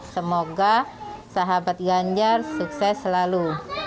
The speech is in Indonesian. semoga sahabat ganjar sukses selalu